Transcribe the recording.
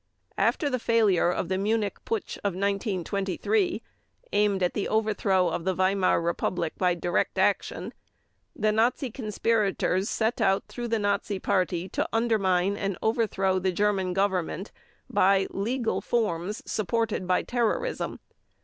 After the failure of the Munich Putsch of 1923 aimed at the overthrow of the Weimar Republic by direct action, the Nazi conspirators set out through the Nazi Party to undermine and overthrow the German Government by "legal" forms supported by terrorism.